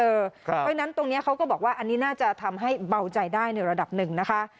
เพราะฉะนั้นตรงนี้เขาก็บอกว่าอันนี้น่าจะทำให้เบาใจได้ในระดับหนึ่งนะคะ